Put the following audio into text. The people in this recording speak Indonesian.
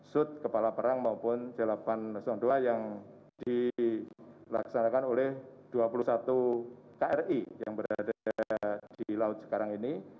sut kepala perang maupun c delapan ratus dua yang dilaksanakan oleh dua puluh satu kri yang berada di laut sekarang ini